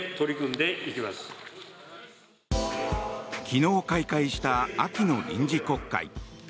昨日開会した秋の臨時国会。